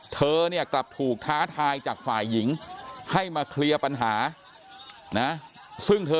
เธอเนี่ยกลับถูกท้าทายจากฝ่ายหญิงให้มาเคลียร์ปัญหานะซึ่งเธอ